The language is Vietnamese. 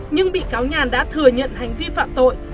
nhưng bị cáo nhàn đã thừa nhận hành vi phạm tội